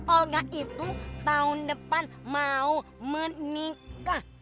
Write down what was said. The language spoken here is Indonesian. olga itu tahun depan mau menikah